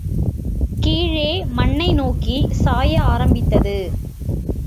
கீழே மண்ணை நோக்கிச் சாய ஆரம்பித்தது.